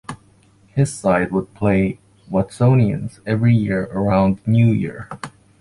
His side would play Watsonians every year around New Year.